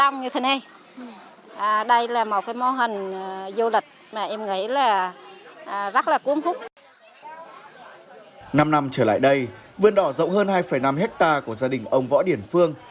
năm năm trở lại đây vườn đỏ rộng hơn hai năm hectare của gia đình ông võ điển phương